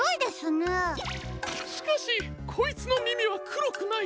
しかしこいつのみみはくろくない。